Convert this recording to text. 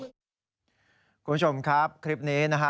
คุณผู้ชมครับคลิปนี้นะฮะ